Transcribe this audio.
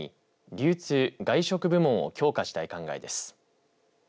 流通、外食部門を強化したい考えです。